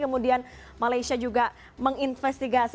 kemudian malaysia juga menginvestigasi